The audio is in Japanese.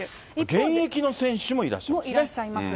現役の選手もいらっしゃるんですね。